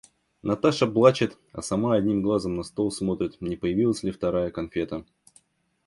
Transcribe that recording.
Наташа плачет, а сама одним глазом на стол смотрит, не появилась ли вторая конфета.